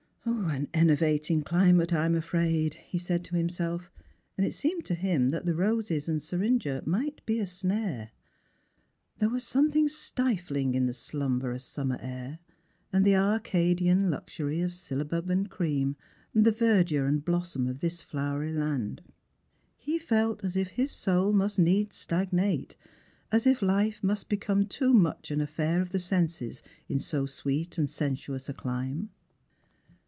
"An enervating climate, I'm afraid," he said to himself; and it seemed to him that the roses and the seringa might be a " snare." There was something stifling in the slumberous summer air, the Arcadian luxury of syllabubs and cream, the verdure and blossom of this flowery land. He felt as if his soul must needs stagnate, as if life must become too much an affair of the senses, in so sweet and sensuous a clime.